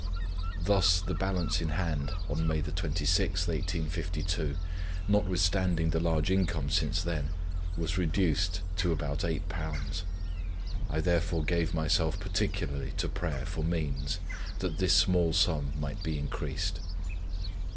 Thus the balance in hand on May 26, 1852, notwithstanding the large income since then, was reduced to about £8. I therefore gave myself particularly to prayer for means, that this small sum might be increased.